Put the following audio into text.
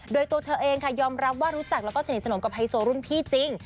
โดยตัวเธอเองค่ะยอมรับว่ารู้จักแล้วก็สนิทสนมกับไฮโซรุ่นพี่จริง